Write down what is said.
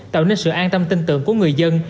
tạo nên sự an tâm tin tưởng của người dân